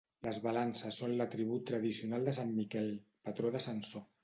Les balances són l'atribut tradicional de sant Miquel, patró de Sansor.